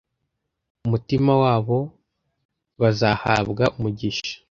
umutima wabo bazahabwa umugisha